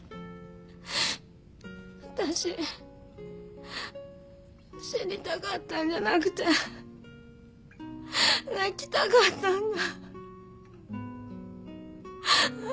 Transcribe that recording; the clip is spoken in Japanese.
わたし死にたかったんじゃなくて泣きたかったんだ。